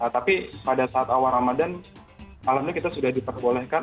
tapi pada saat awal ramadan malamnya kita sudah diperbolehkan